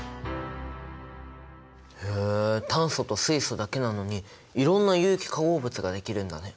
へえ炭素と水素だけなのにいろんな有機化合物ができるんだね。